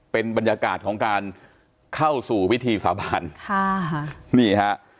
เป็นบรรยากาศของการเข้าสู่วิธีสาบานค่ะนี่ฮะ